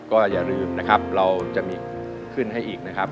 ก็อย่าลืมนะครับเราจะมีขึ้นให้อีกนะครับ